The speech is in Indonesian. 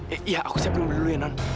iya aku siapkan mobil dulu ya nan